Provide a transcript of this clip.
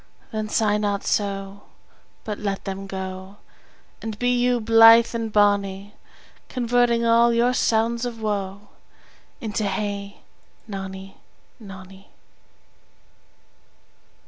Then sigh not so, But let them go, And be you blithe and bonny, Converting all your sounds of woe Into. Hey, nonny, nonny.